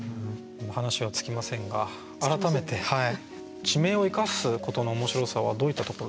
話は尽きませんが改めて地名を生かすことの面白さはどういったところですか？